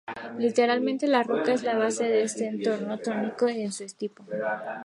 Literalmente, la roca es la base de este entorno único en su tipo.